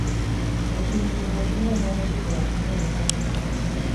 Ekintu bw'okinoonya ne kibula okivaako